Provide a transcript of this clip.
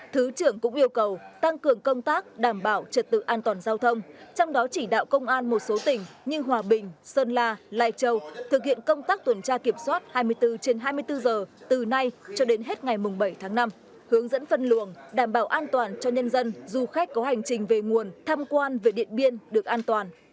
thứ trưởng cũng yêu cầu tăng cường công tác đảm bảo trật tự an toàn giao thông trong đó chỉ đạo công an một số tỉnh như hòa bình sơn la lai châu thực hiện công tác tuần tra kiểm soát hai mươi bốn trên hai mươi bốn giờ từ nay cho đến hết ngày bảy tháng năm hướng dẫn phân luận đảm bảo an toàn cho nhân dân du khách có hành trình về nguồn tham quan về điện biên được an toàn